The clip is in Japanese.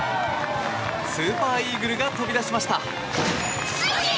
スーパーイーグルが飛び出しました。